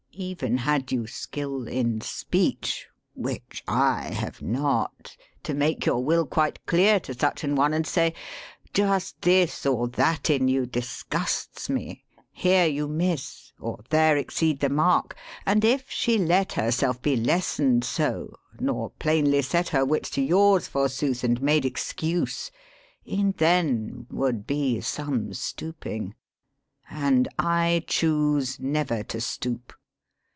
Even had you skill In speech (which I have not) to make your will Quite clear to such an one, and say, 'Just this Or that in you disgusts me; here you miss, 215 THE SPEAKING VOICE Or there exceed the mark' and if she let Herself be lessoned so, nor plainly set Her wits to yours, forsooth, and made excuse, E'en then would be some stooping; and I choose Never to stoop.